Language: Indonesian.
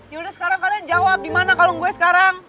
yaudah sekarang kalian jawab dimana kalung gue sekarang